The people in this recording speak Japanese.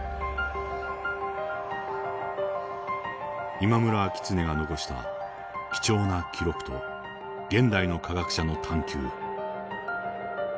今村明恒が残した貴重な記録と現代の科学者の探究。